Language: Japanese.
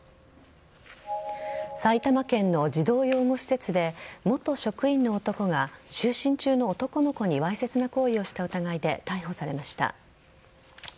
埼玉県の児童養護施設で元職員の男が就寝中の男の子にわいせつな行為をした疑いで逮捕されました。